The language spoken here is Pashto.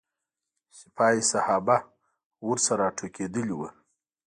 سپاه صحابه ورنه راټوکېدلي وو.